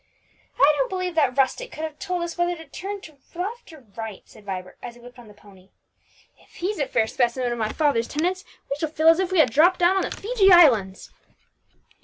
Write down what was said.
"I don't believe that the rustic could have told us whether to turn to left or right," said Vibert, as he whipped on the pony. "If he's a fair specimen of my father's tenants, we shall feel as if we had dropped down on the Fiji Islands."